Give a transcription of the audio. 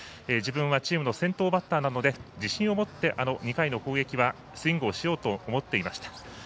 自分がチームの先頭バッターなので自信を持って、あの２回の攻撃はスイングをしようと思っていました。